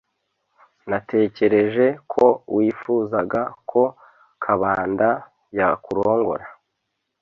Natekereje ko wifuzaga ko Kabanda yakurongora.